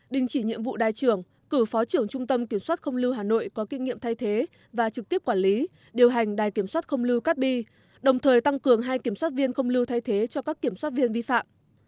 đình chỉ nhiệm vụ đại trưởng cử phó trưởng trung tâm kiểm soát không lưu hà nội có kinh nghiệm thay thế và trực tiếp quản lý điều hành đài kiểm soát không lưu cát bi đồng thời tăng cường hai kiểm soát viên không lưu thay thế cho các kiểm soát viên vi phạm